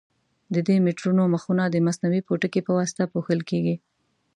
د دې میټرونو مخونه د مصنوعي پوټکي په واسطه پوښل کېږي.